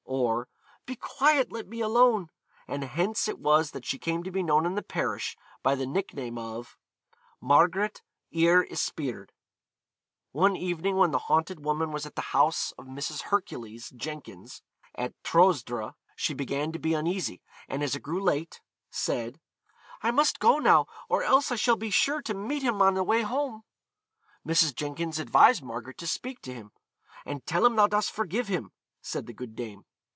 or 'Be quiet, let me alone;' and hence it was that she came to be known in that parish by the nickname of Marget yr Yspryd. One evening when the haunted woman was at the house of Mrs. Hercules Jenkins, at Trosdra, she began to be uneasy, and as it grew late said, 'I must go now, or else I shall be sure to meet him on the way home.' Mrs. Jenkins advised Margaret to speak to him; 'and tell him thou dost forgive him,' said the good dame.